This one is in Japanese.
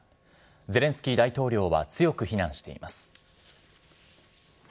ゼレンスキー大統領は強く非難しています。